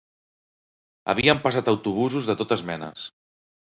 Havien passat autobusos de totes menes.